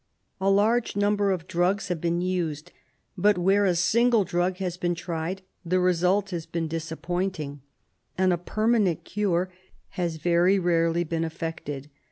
A large number of drugs have been used, but where a single drug has been tried the result has been disappointing, and a permanent cure has very rarely been affected.